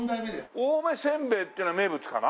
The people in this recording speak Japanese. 青梅せんべいってのは名物かな？